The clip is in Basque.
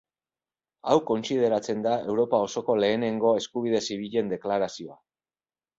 Hau kontsideratzen da Europa osoko lehenengo eskubide zibilen deklarazioa.